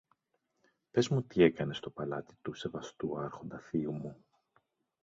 Πες μου τι έκανες στο παλάτι του σεβαστού Άρχοντα θείου μου.